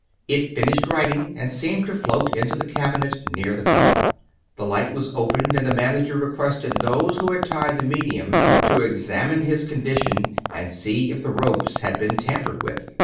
It finished writing and seemed to float into the cabinet near the top. The light was opened and the manager requested those who had tied the medium to examine his condition and see if the ropes had been tampered with.